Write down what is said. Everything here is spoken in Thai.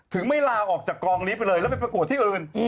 ไม่ลาออกจากกองนี้ไปเลยแล้วไปประกวดที่อื่น